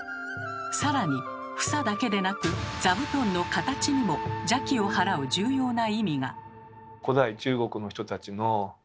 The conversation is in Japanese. さらに房だけでなく座布団の形にも邪気を払う重要な意味が。